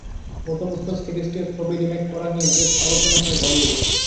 গত বছর সিরিজটির ছবি রিমেক করা নিয়ে বেশ আলোচনা হয় বলিউডে।